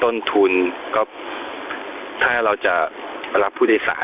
ตอนนี้ได้ที่ว่าเราต้องเอาไปกระจ่ายกัน